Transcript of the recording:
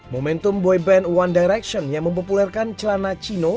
momentum boyband one direction yang mempopulerkan celana cino